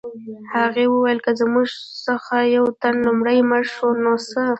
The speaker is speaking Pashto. هغې وویل که زموږ څخه یو تن لومړی مړ شو نو څه